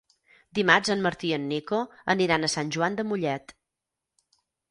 Dimarts en Martí i en Nico aniran a Sant Joan de Mollet.